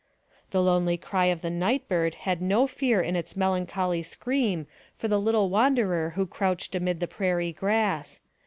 The lonely cry of the night bird had no fear in its melancholy scream for the little wanderer who crouched amid the prairie grass.